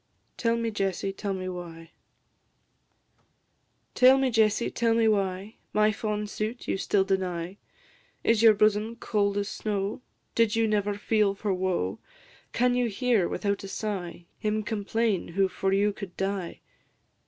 TELL ME, JESSIE, TELL ME WHY? Tell me, Jessie, tell me why My fond suit you still deny? Is your bosom cold as snow? Did you never feel for woe? Can you hear, without a sigh, Him complain who for you could die?